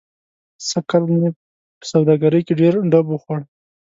سږ کال مې په سوادګرۍ کې ډېر ډب و خوړ.